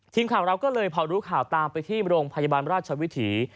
ทีมข่าวเราก็เลยพอรู้ข่าวตามไปที่โรงพยาบาลราชวิถี